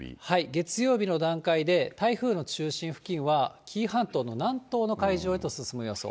月曜日の段階で、台風の中心付近は紀伊半島の南東の海上へと進む予想。